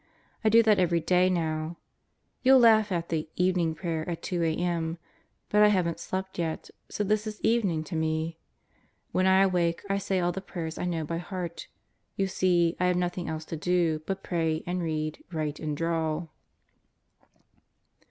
I do that every day now. You'll laugh at the "evening prayer" at 2 ajn.; but I haven't slept yet, so this is evening to me. When I awake I say all the prayers I know by heart. You see, I have nothing else to do but pray and read, write and draw.